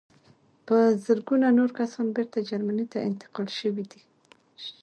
په زرګونه نور کسان بېرته جرمني ته انتقال شوي دي